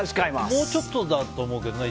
もうちょっとだと思うけどね。